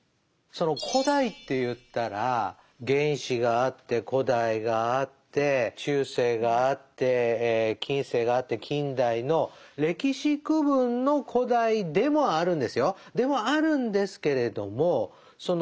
その「古代」っていったら原始があって古代があって中世があって近世があって近代の歴史区分の古代でもあるんですよ。